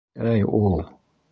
Әй ул!